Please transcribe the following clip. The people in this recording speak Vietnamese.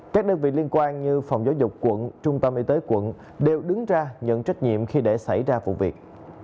các đơn vị liên quan như phòng giáo dục quận trung tâm y tế quận đều đứng ra nhận trách nhiệm khi để xảy ra vụ việc